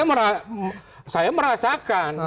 oh saya merasakan